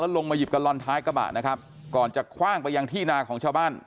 ลงมาหยิบกะลอนท้ายกระบะนะครับก่อนจะคว่างไปยังที่นาของชาวบ้าน